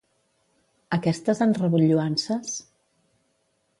Aquestes han rebut lloances?